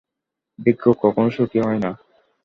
ভিক্ষুক কখনও সুখী হয় না।